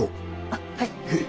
あっはい。